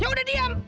ya udah diam